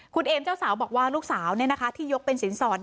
คุณเอมเจ้าสาวบอกว่าลูกสาวที่ยกเป็นสินสอด